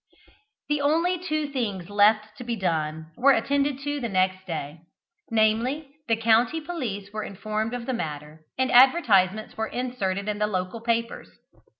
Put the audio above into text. The only two things left to be done, were attended to next day; namely, the county police were informed of the matter, and advertisements were inserted in the local papers.